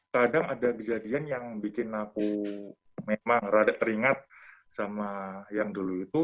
kadang ada kejadian yang bikin aku memang rada teringat sama yang dulu itu